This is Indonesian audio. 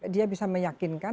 dia bisa meyakinkan